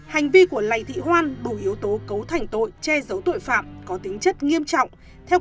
hành vi của lầy thị hoan đủ yếu tố cấu thành tội che giấu tội phạm có tính chất nghiêm trọng